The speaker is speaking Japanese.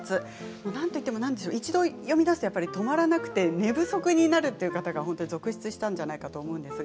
なんといっても一度読みだすと止まらなくて寝不足になってしまうという方が続出したんじゃないかと思います。